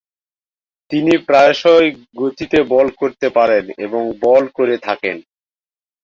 তিনি প্রায়শই গতিতে বল করতে পারেন এবং বল করে থাকেন।